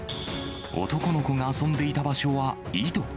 男の子が遊んでいた場所は井戸。